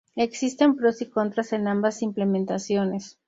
Existen pros y contras en ambas implementaciones.